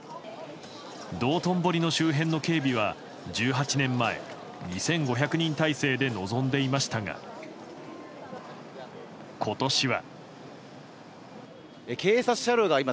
道頓堀の周辺の警備は１８年前、２５００人態勢で臨んでいましたが、今年は。